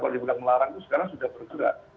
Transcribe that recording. kalau dibilang melarang itu sekarang sudah bergerak